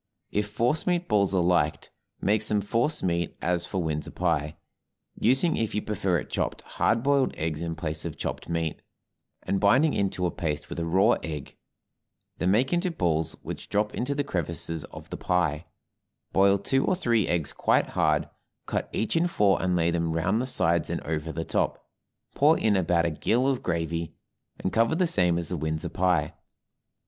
If force meat balls are liked, make some force meat as for Windsor pie, using if you prefer it chopped hard boiled eggs in place of chopped meat, and binding into a paste with a raw egg; then make into balls, which drop into the crevices of the pie; boil two or three eggs quite hard, cut each in four and lay them round the sides and over the top, pour in about a gill of gravy, and cover the same as the Windsor pie.